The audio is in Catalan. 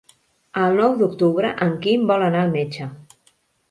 El nou d'octubre en Quim vol anar al metge.